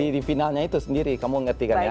di finalnya itu sendiri kamu ngerti kan ya